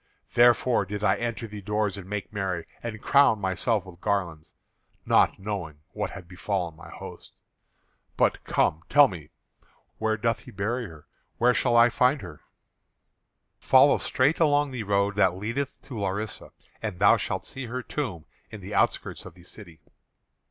Therefore did I enter the doors and make merry, and crown myself with garlands, not knowing what had befallen my host. But, come, tell me; where doth he bury her? Where shall I find her?" "Follow straight along the road that leadeth to Larissa, and thou shalt see her tomb in the outskirts of the city."